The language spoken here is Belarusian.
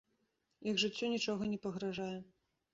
Іх жыццю нічога не пагражае.